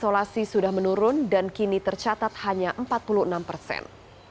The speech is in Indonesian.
isolasi sudah menurun dan kini tercatat hanya empat puluh enam persen